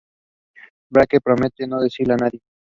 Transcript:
Blake promete no decírselo a nadie.